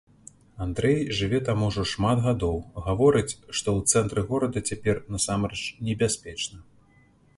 Андрэй жыве там ужо шмат гадоў, гаворыць, што ў цэнтры горада цяпер насамрэч небяспечна.